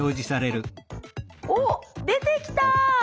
おっ出てきた！